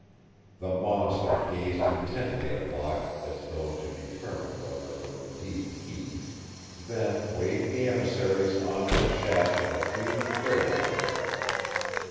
The monster gazed intently at Locke as though to determine whether it were indeed he, then waved the emissaries on to the shaft of a huge freight elevator.